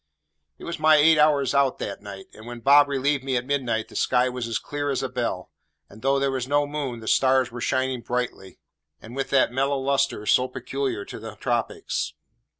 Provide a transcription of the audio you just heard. It was my eight hours out that night; and when Bob relieved me at midnight the sky was as clear as a bell; and, though there was no moon, the stars were shining brilliantly, and with that mellow lustre so peculiar to the tropics.